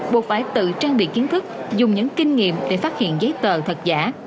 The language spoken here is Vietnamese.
buộc phải tự trang bị kiến thức dùng những kinh nghiệm để phát hiện giấy tờ thật giả